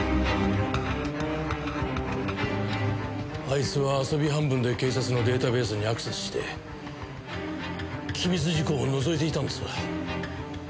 あいつは遊び半分で警察のデータベースにアクセスして機密事項をのぞいていたんです。